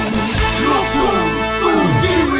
มุกร้อง